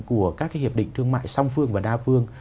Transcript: của các hiệp định thương mại song phương và đa phương